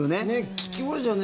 聞きましたよね。